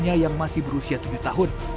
anak anak kandungnya yang masih berusia tujuh tahun